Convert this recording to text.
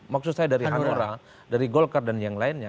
maksud saya dari hanura dari golkar dan yang lainnya